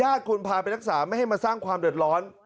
ควรพาไปรักษาไม่ให้มาสร้างความเดือดร้อน